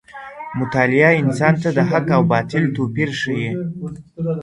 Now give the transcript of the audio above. مطالعه انسان ته د حق او باطل توپیر ښيي.